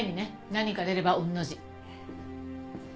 何か出れば御の字。